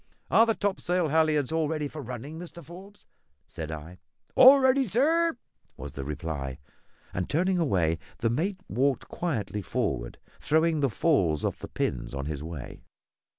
"Are the topsail halliards all ready for running, Mr Forbes?" said I. "All ready, sir," was the reply; and, turning away, the mate walked quietly forward, throwing the falls off the pins on his way.